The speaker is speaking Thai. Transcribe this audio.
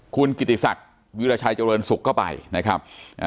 คุณกิติศักดิ์วิวระชายสุกรรมเข้าไปนะครับ